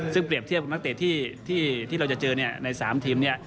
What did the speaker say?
ซึ่งเปรียบเทียบกับนักเตะที่เราจะเจอเนี่ยในสามทีมเนี่ย